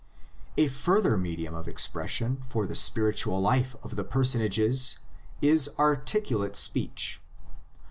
A further medium of expression for the spiritual life of the personages is articulate speech.